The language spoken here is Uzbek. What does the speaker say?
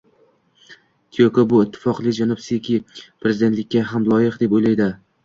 Tiyoko, bu iltifotli janob Seki prezidentlikka ham loyiq, deb o`yladi